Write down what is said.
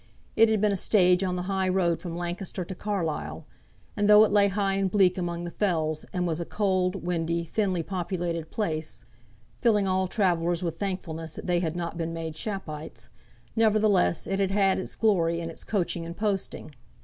It had been a stage on the high road from Lancaster to Carlisle, and though it lay high and bleak among the fells, and was a cold, windy, thinly populated place, filling all travellers with thankfulness that they had not been made Shappites, nevertheless, it had had its glory in its coaching and posting.